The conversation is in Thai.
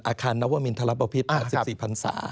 อาคารนัววะมินทะละเปาพิษปราสิบสี่พันศา